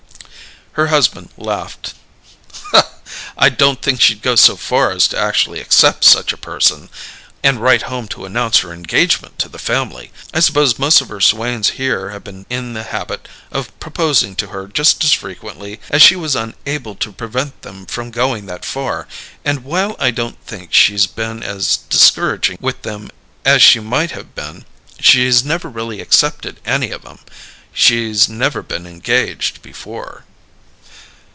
Her husband laughed. "I don't think she'd go so far as to actually accept 'such a person' and write home to announce her engagement to the family. I suppose most of her swains here have been in the habit of proposing to her just as frequently as she was unable to prevent them from going that far; and while I don't think she's been as discouraging with them as she might have been, she's never really accepted any of 'em. She's never been engaged before."